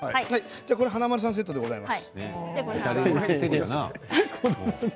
これ華丸さんセットでございます。